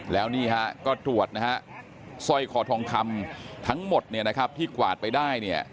แล้วนี่ตรวจไส้คอทองคำทั้งหมดที่กวาดไปได้